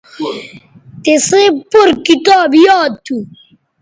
تِسئ پور کتاب یاد تھو